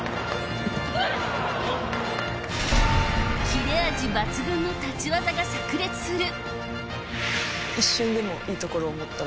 切れ味抜群の立ち技がさく裂する。